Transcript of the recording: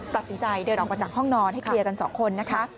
ตัดสินใจเดินออกไปจากห้องนอนให้เคลียร์กัน๒คน